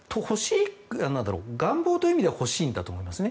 願望という意味では欲しいんだと思います。